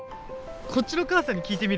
こっちの母さんに聞いてみる？